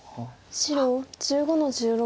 白１５の十六。